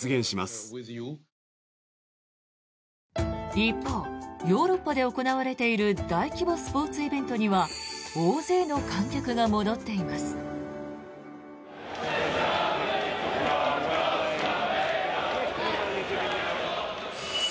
一方ヨーロッパで行われている大規模スポーツイベントには大勢の観客が戻っています。